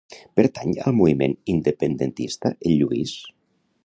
Pertany al moviment independentista el Lluís?